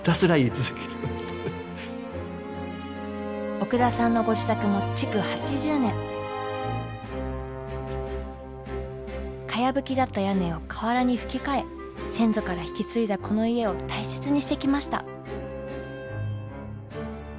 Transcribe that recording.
奥田さんのご自宅もかやぶきだった屋根を瓦にふき替え先祖から引き継いだこの家を大切にしてきました。